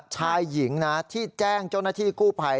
ชายหญิงนะที่แจ้งเจ้าหน้าที่กู้ภัย